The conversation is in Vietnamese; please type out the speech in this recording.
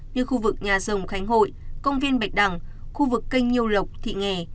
như khu vực nhà rồng khánh hội công viên bạch đằng khu vực kênh nhiêu lộc thị nghè